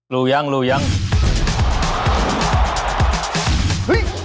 รู้หรือยังรู้หรือยัง